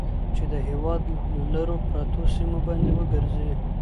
چې د هېواد لرو پرتو سيمو باندې وګرځي.